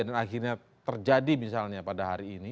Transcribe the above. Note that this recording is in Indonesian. dan akhirnya terjadi misalnya pada hari ini